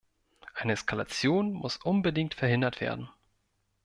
Eine Eskalation muss unbedingt verhindert werden.